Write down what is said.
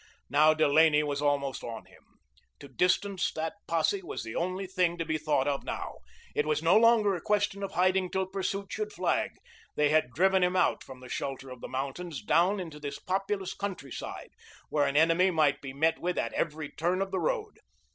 Now Delaney was almost on him. To distance that posse, was the only thing to be thought of now. It was no longer a question of hiding till pursuit should flag; they had driven him out from the shelter of the mountains, down into this populous countryside, where an enemy might be met with at every turn of the road.